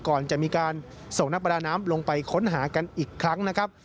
ก่อนจะมีการส่งนักประดาน้ำลงไปค้นหากันอีกครั้งนะครับ